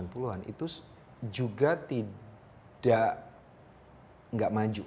film film korea tidak maju